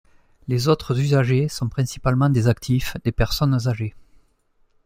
Les autres usagers sont principalement des actifs, des personnes âgées.